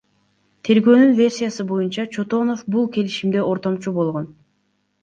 Тергөөнүн версиясы боюнча, Чотонов бул келишимде ортомчу болгон.